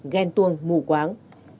men tuông mù quáng